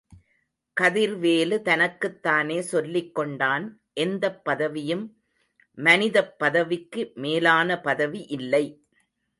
கதிர்வேலு தனக்குத்தானே சொல்லிக் கொண்டான்... எந்தப் பதவியும் மனிதப் பதவிக்கு மேலான பதவி இல்லை.